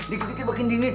ikuti makin dingin